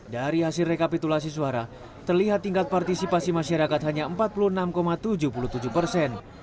dari hasil rekapitulasi suara terlihat tingkat partisipasi masyarakat hanya empat puluh enam tujuh puluh tujuh persen